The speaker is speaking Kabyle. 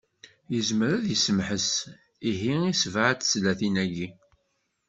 Yezmer ad yessemḥes, ihi, i sebɛa n tezlatin-agi.